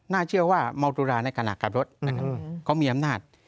น่าเชื่อว่าเมาตุลาในครรภ์กล้ามรถ